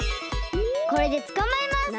これでつかまえます！